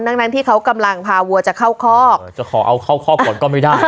ดังนั้นที่เขากำลังพาวัวจะเข้าคอกจะขอเอาเข้าคอกก่อนก็ไม่ได้